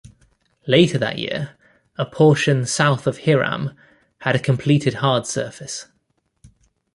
Later that year, a portion south of Hiram had a completed hard surface.